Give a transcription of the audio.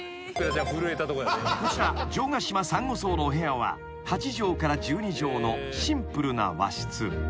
［こちら城ヶ島さんご荘のお部屋は８畳から１２畳のシンプルな和室］